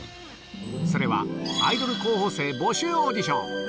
それは、アイドル候補生募集オーディション。